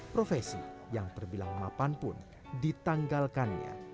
profesi yang terbilang mapan pun ditanggalkannya